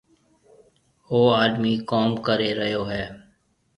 او آڏمِي ڪوم ڪري ريو هيَ۔